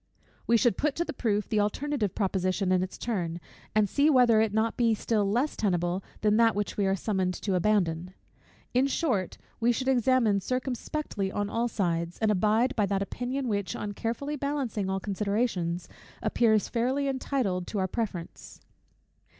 We should put to the proof the alternative proposition in its turn, and see whether it be not still less tenable than that which we are summoned to abandon. In short, we should examine circumspectly on all sides; and abide by that opinion which, on carefully balancing all considerations, appears fairly entitled to our preference.